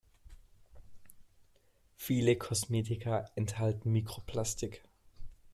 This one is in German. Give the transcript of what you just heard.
Viele Kosmetika enthalten Mikroplastik.